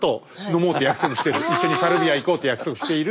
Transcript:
一緒にサルビア行こうって約束している。